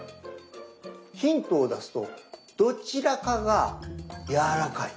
ヒントを出すとどちらかがやわらかい。